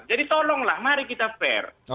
jadi tolonglah mari kita fair